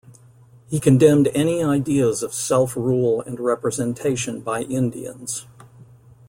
He condemned any ideas of self-rule and representation by Indians.